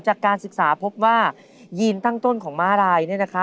จากการศึกษาพบว่ายีนตั้งต้นของมะไลน์